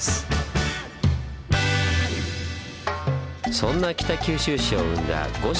そんな北九州市を生んだ五市